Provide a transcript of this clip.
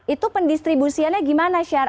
itu pendistribusiannya gimana sher